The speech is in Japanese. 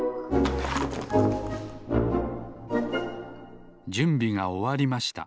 だいしてじゅんびがおわりました。